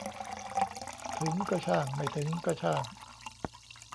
ถึงก็ช่างไม่ถึงก็ช่าง